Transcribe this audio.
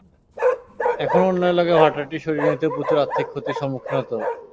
এখন অন্য এলাকায় ভাটাটি সরিয়ে নিতে প্রচুর আর্থিক ক্ষতির সম্মুখীন হতে হবে।